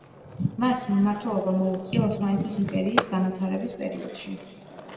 მას მმართველობა მოუწია ოსმალეთის იმპერიის განვითარების პერიოდში.